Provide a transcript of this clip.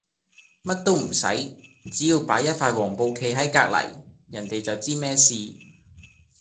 乜都唔洗，只要擺一塊黃布企係隔黎，人地就知咩事。